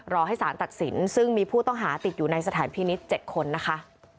รอให้สารตัดสินซึ่งมีผู้ต้องหาติดอยู่ในสถานพินิษฐ์๗คนนะคะ